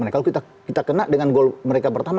kalau kita kena dengan gol mereka pertama